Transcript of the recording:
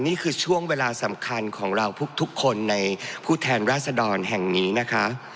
นี่คือช่วงเวลาสำคัญของเราทุกคนในผู้แทนราษดรแห่งนี้นะคะ